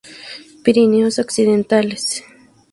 Pirineos occidentales.